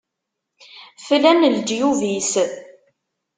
Flan leǧyub-is.